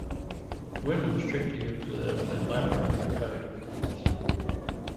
The women strictly observe an elaborate code of rules.